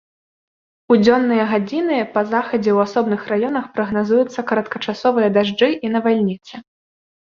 У дзённыя гадзіны па захадзе ў асобных раёнах прагназуюцца кароткачасовыя дажджы і навальніцы.